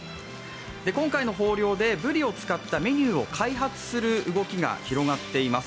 今回の豊漁でブリを使ったメニューを開発する動きが広がっています。